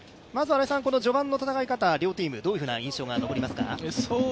序盤の戦い方、両チーム、どういうふうな印象が残りますか？